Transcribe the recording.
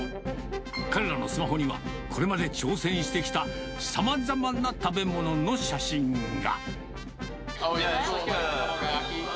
彼らのスマホには、これまで挑戦してきたさまざまな食べ物の写真が。